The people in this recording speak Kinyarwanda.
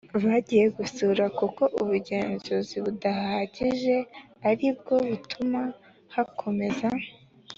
bagiye gusura kuko ubugenzuzi budahagije ari bwo butuma hakomeza